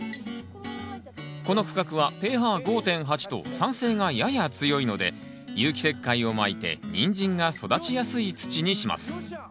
この区画はｐＨ５．８と酸性がやや強いので有機石灰をまいてニンジンが育ちやすい土にします。